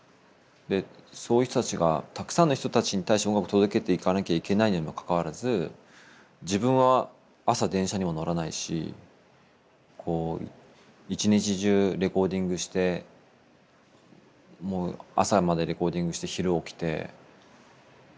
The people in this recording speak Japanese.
そういう人たちがたくさんの人たちに対して音楽を届けていかなきゃいけないのにもかかわらず自分は朝電車にも乗らないし一日中レコーディングしてもう朝までレコーディングして昼起きて。